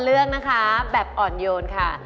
เลือกนะคะแบบอ่อนโยนค่ะ